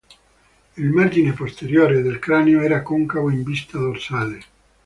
Il margine posteriore del cranio era concavo in vista dorsale.